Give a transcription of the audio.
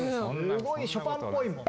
すごいショパンぽいもん。